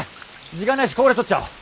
時間ないしここで撮っちゃおう。